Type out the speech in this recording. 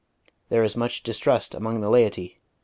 There is much distrust among the laity.